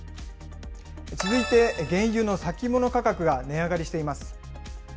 続いて原油の先物価格が値上がりしています。